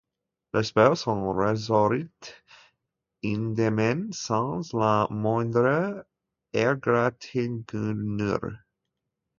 L'épouse en ressortit indemne, sans la moindre égratignure.